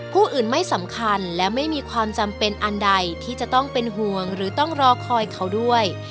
ผู้อื่นไม่สำคัญและไม่มีความจำเป็นอันใดที่จะต้องเป็นห่วงหรือต้องรอคอยเขาด้วย